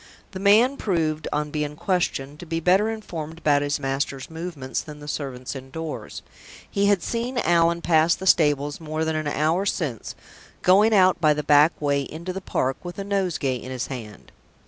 The man proved, on being questioned, to be better informed about his master's movements than the servants indoors. He had seen Allan pass the stables more than an hour since, going out by the back way into the park with a nosegay in his hand.